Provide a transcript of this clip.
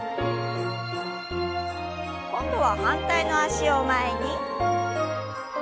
今度は反対の脚を前に。